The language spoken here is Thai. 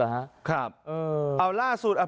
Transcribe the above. ผมเห็นว่าว่ามีผู้ชาย